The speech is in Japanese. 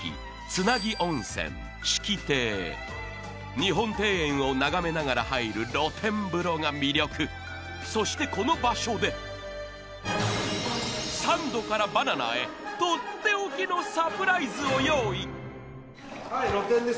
日本庭園を眺めながら入る露天風呂が魅力そしてこの場所でサンドからバナナへとっておきのサプライズを用意はい露天です